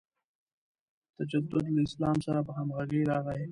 تجدد له اسلام سره په همغږۍ راغی.